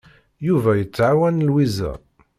Yuba yettɛawan Lwiza.